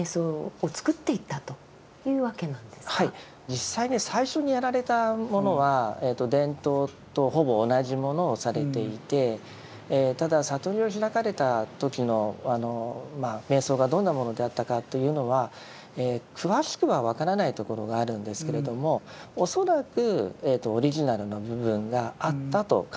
実際ね最初にやられたものは伝統とほぼ同じものをされていてただ悟りを開かれた時の瞑想がどんなものであったかというのは詳しくは分からないところがあるんですけれども恐らくオリジナルの部分があったと考えてよいと思います。